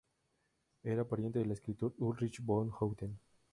Era pariente del escritor Ulrich von Hutten.